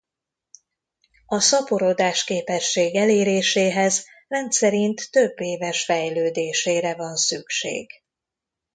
A szaporodás-képesség eléréséhez rendszerint több éves fejlődésére van szükség.